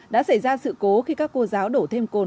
đã xảy ra sự cố khi các cô giáo đổ thêm cồn